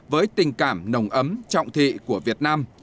với tình cảm nồng ấm trọng thị của việt nam